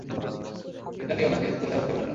এটা নিয়ে উনাকে দোষারোপ করবেন না।